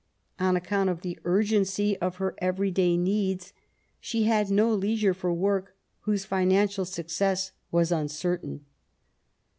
On account of the urgency of her every day needs, she had no leisure for work whose financial success was uncertain.